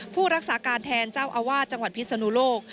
ผู้รักษาการแทนเจ้าอาวาสจังหวัดพิศนุโลก